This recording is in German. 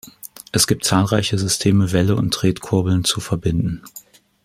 Es gibt zahlreiche Systeme, Welle und Tretkurbeln zu verbinden.